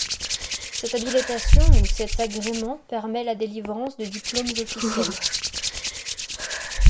Cette habilitation ou cet agrément permet la délivrance de diplômes officiels.